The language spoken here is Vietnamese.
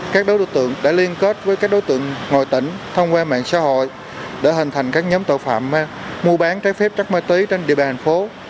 các đối tượng đã liên kết với các đối tượng ngoài tỉnh thông qua mạng xã hội để hình thành các nhóm tội phạm mua bán trái phép chất ma túy trên địa bàn thành phố